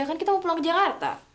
kan kita mau pulang ke jakarta